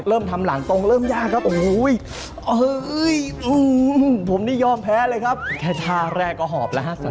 เริ่มทำหลังตรงเริ่มยากครับ